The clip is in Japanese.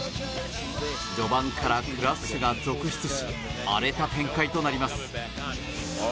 序盤からクラッシュが続出し荒れた展開となります。